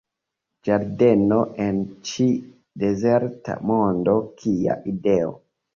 Ĝardeno en ĉi dezerta mondo, kia ideo.